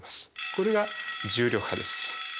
これが重力波です。